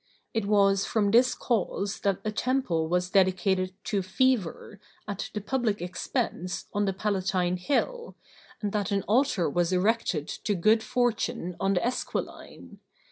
It was from this cause that a temple was dedicated to Fever, at the public expense, on the Palatine Hill, and that an altar was erected to Good Fortune on the Esquiline.